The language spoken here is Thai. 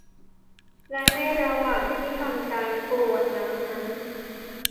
และในระหว่างที่ทำการกรวดน้ำนั้น